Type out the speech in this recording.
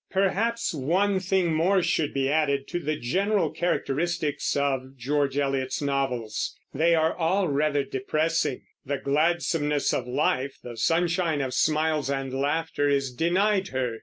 Perhaps one thing more should be added to the general characteristics of George Eliot's novels, they are all rather depressing. The gladsomeness of life, the sunshine of smiles and laughter, is denied her.